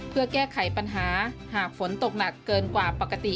เพื่อแก้ไขปัญหาหากฝนตกหนักเกินกว่าปกติ